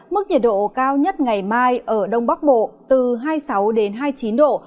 mức nhiệt độ cao nhất ngày mai ở đông bắc bộ từ hai mươi sáu đến hai mươi chín độ